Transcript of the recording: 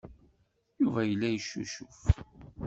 Yuba yella yeccucuf.